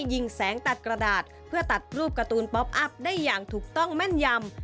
ยิงแสงตัดกระดาษเพื่อตัดรูปการ์ตูนป๊อปอัพได้อย่างถูกต้องแม่นยำ